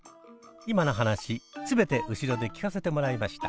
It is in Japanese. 今の話すべて後ろで聞かせてもらいました。